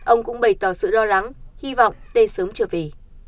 ông cũng bày tỏ sự lo lắng hy vọng tây sớm trở về